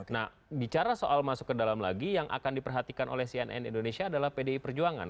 nah bicara soal masuk ke dalam lagi yang akan diperhatikan oleh cnn indonesia adalah pdi perjuangan